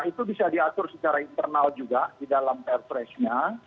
itu bisa diatur secara internal juga di dalam perpresnya